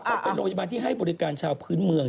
โรงพยาบาลที่ให้บริการชาวพื้นเมือง